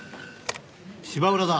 芝浦だ。